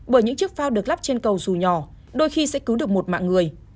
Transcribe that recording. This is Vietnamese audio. bởi những chiếc phao được lắp trên cầu dù nhỏ đôi khi sẽ cứu được một mạng người